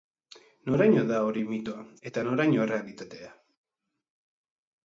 Noraino da hori mitoa eta noraino errealitatea?